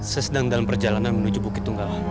saya sedang dalam perjalanan menuju bukit tunggal